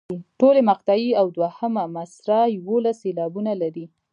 ټولې مقطعې او دوهمه مصرع یوولس سېلابونه لري.